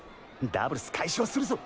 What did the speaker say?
ダブルス解消するぞ。